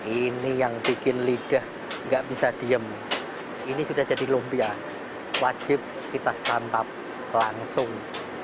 ini yang bikin lidah nggak bisa diem ini sudah jadi lumpia wajib kita santap langsung